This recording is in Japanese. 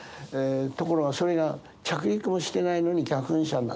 ところがそれが着陸もしてないのに逆噴射になってる。